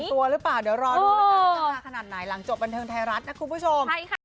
ตัวหรือเปล่าเดี๋ยวรอดูแล้วกันว่าจะมาขนาดไหนหลังจบบันเทิงไทยรัฐนะคุณผู้ชมใช่ค่ะ